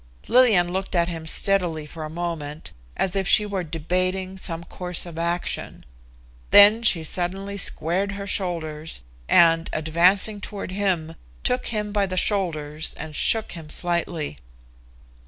Lillian looked at him steadily for a moment, as if she were debating some course of action. Then she suddenly squared her shoulders, and, advancing toward him, took him by the shoulders and shook him slightly.